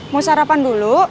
mau sarapan dulu